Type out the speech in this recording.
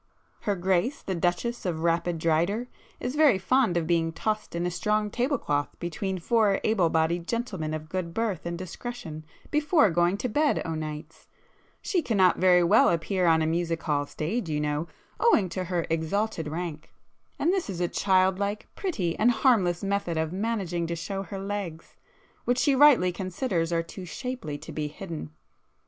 Her Grace the Duchess of Rapidryder is very fond of being tossed in a strong table cloth between four able bodied gentlemen of good birth and discretion, before going to bed o' nights,—she cannot very well appear on a music hall stage you know, owing to her exalted rank,—and this is a child like, pretty and harmless method of managing to show her legs, which she rightly considers, are too shapely to be hidden.